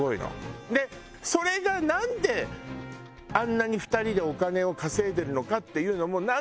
それがなんであんなに２人でお金を稼いでいるのかっていうのもなんとなく。